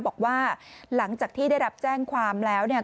บอกว่าหลังจากที่ได้รับแจ้งความแล้วเนี่ย